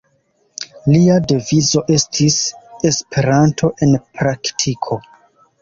Lia devizo estis: «Esperanto en praktiko».